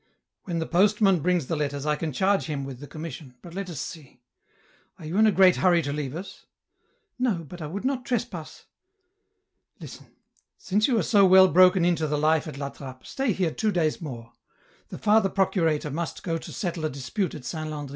" When the postman brings the letters I can charge him with the commission, but let us see ; are you in a great hurry to leave us ?"" No, but I would not trespass. ..."" Listen, since you are so well broken in to the life at La Trappe, stay here two days more. The Father procurator must go to settle a dispute at Saint Landry.